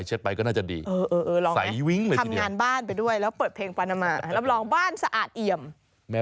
เออได้ต้องเสิร์ฟเต้นเพลงปานามาอย่างเดียวนะ